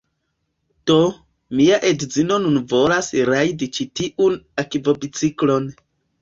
Do, mia edzino nun volas rajdi ĉi tiun akvobiciklon